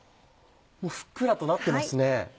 ふっくらとなってますね！